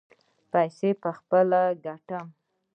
پیسې به پخپله ګټم.